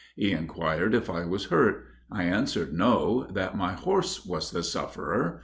He inquired if I was hurt. I answered no that my horse was the sufferer.